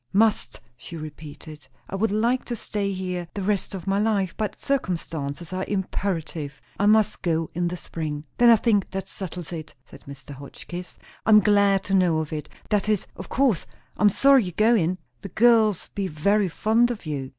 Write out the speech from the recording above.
"Must," she repeated. "I would like to stay here the rest of my life; but circumstances are imperative. I must go in the spring." "Then I think that settles it," said Mr. Hotchkiss. "I'm glad to know it. That is! of course I'm sorry ye're goin'; the girls be very fond of you."